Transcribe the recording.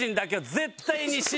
絶対に。